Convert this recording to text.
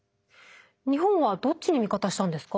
日本はどっちに味方したんですか？